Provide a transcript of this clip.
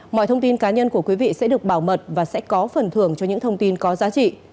mọi thông tin cá nhân của quý vị sẽ được bảo mật và sẽ có phần thưởng cho những thông tin có giá trị